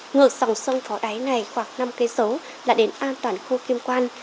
ngược sòng sông phó đáy này khoảng năm km là đến an toàn khu kim quan